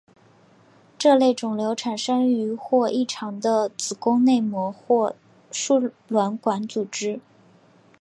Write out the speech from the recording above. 这类肿瘤产生于或异常的子宫内膜或输卵管组织。